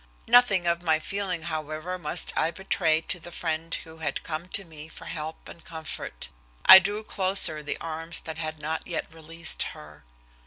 Nothing of my feeling, however, must I betray to the friend who had come to me for help and comfort. I drew closer the arms that had not yet released her.